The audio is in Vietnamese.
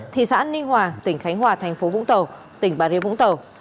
thị xã ninh hòa tỉnh khánh hòa thành phố vũng tàu tỉnh bà rịa vũng tàu